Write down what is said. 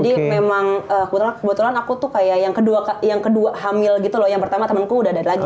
jadi memang kebetulan aku tuh kayak yang kedua hamil gitu loh yang pertama temenku udah ada lagi